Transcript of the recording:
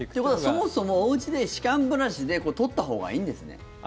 そもそも、おうちで歯間ブラシで取ったほうがいいんですね。